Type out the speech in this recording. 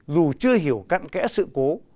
dù chưa hiểu cận kẽ sự cố